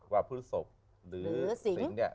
พฤศพหรือสิงศ์เนี่ย